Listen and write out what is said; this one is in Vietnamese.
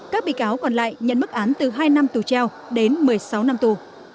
các bị cáo còn lại nhận mức án từ hai năm tù treo đến một mươi sáu năm tù